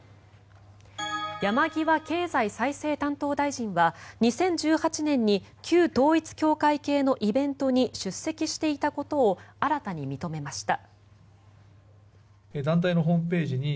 山際経済再生担当大臣は２０１８年に旧統一教会系のイベントに出席していたことを新たに認めました。